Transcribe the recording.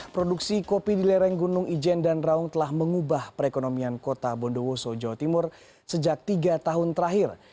produksi kopi di lereng gunung ijen dan raung telah mengubah perekonomian kota bondowoso jawa timur sejak tiga tahun terakhir